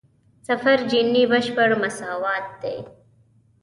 صفر جیني بشپړ مساوات دی.